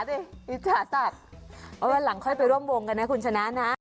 เอาหลังแล้วค่อยไปร่วมวงกันนะคุณธนานะ